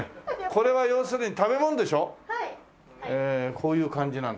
こういう感じなんだよね。